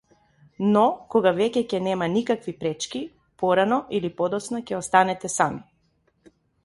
Но кога веќе ќе нема никакви пречки, порано или подоцна ќе останете сами!